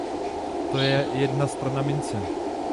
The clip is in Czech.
To je jedna strana mince.